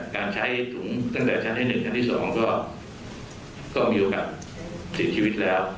การใช้ตรงชั่นยังชั้นที่๑ชั้นที่๒ก็ต้องอยู่กับคลิกชีวิตแล้ว